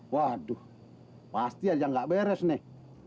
waduh pasti aja nggak beres nih